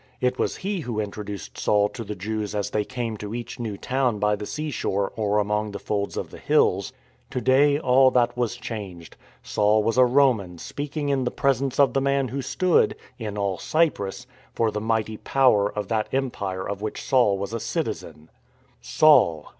It was he who introduced Saul to the Jews as they came to each new town by the sea shore or among the folds of the hills. To day all that was changed. Saul was a Roman speaking in the presence of the man who stood — in all Cyprus — for the mighty power of that empire of which Saul was a citizen, " Saul